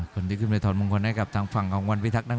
คนที่คือมาทนมงคลให้กับทางฝั่งวันผิดภักด์